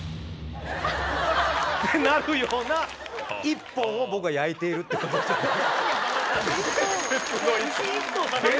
ってなるような一本を僕は焼いているって事ですよね。